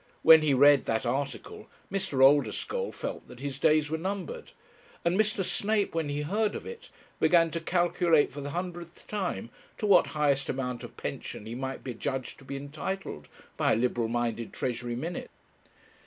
When he read that article, Mr. Oldeschole felt that his days were numbered, and Mr. Snape, when he heard of it, began to calculate for the hundredth time to what highest amount of pension he might be adjudged to be entitled by a liberal minded Treasury minute.